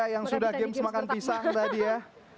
yang sudah games makan pisang tadi ya